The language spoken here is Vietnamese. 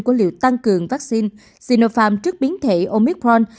của liệu tăng cường vaccine sinopharm trước biến thể omicron